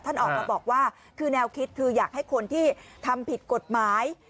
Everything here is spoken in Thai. ออกมาบอกว่าคือแนวคิดคืออยากให้คนที่ทำผิดกฎหมาย